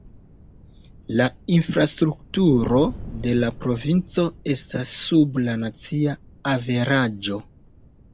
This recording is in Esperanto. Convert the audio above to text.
La infrastrukturo de la provinco estas sub la nacia averaĝo.